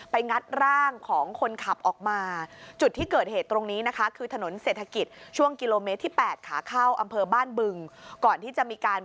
ให้มายกรถพ่วง๑๘ล้อออก